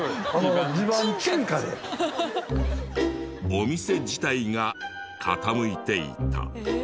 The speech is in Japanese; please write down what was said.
お店自体が傾いていた。